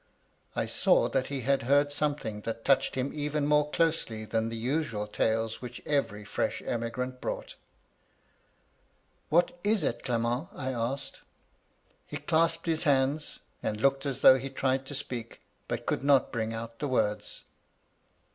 I saw that he had heard something that touched him even more closely than the usual tales which every fresh emigrant brought. «* What is it, aement ?' I asked. "He clasped his hands, and looked as though he tried to speak, but could not bring out the words.